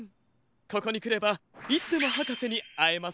ここにくればいつでもはかせにあえますね。